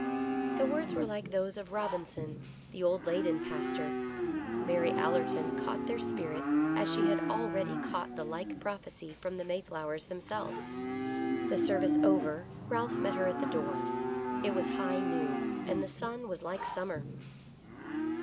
The words were like those of Robinson, the old Ley den pastor. Mary Allerton caught their spirit, as she had already caught the like prophecy from the Mayflowers themselves. The service over, Ralph met her at the door. It was high noon, and the sun was like summer.